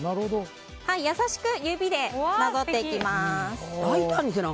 優しく指でなぞっていきます。